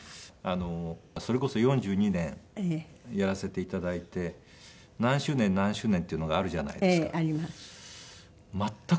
それこそ４２年やらせて頂いて何周年何周年っていうのがあるじゃないですか。